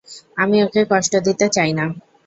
আমি ওকে কষ্ট দিতে চাই না।